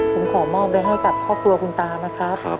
ผมขอมอบไว้ให้กับครอบครัวคุณตานะครับ